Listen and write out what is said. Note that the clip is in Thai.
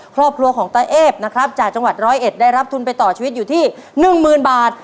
ครอบครัวของตาเอฟนะครับจากจังหวัดร้อยเอ็ดได้รับทุนไปต่อชีวิตอยู่ที่๑๐๐๐บาท